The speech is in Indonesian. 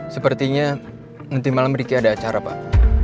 sepertinya nanti malam riki ada acara pak